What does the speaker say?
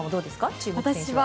注目選手は。